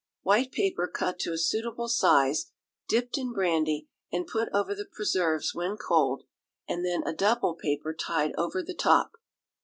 White paper cut to a suitable size, dipped in brandy, and put over the preserves when cold, and then a double paper tied over the top.